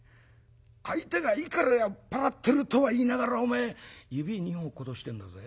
相手がいくら酔っ払ってるとは言いながらおめえ指２本落っことしてんだぜ。